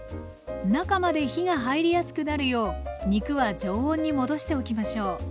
中まで火が入りやすくなるよう肉は常温に戻しておきましょう。